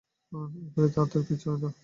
এই বাড়িতে আর থাকতে ইচ্ছে হয় না আমার।